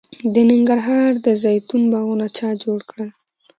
د ننګرهار د زیتون باغونه چا جوړ کړل؟